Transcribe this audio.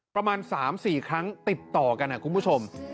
ประมาณ๓๔ครั้งติดต่อกันคุณผู้ชม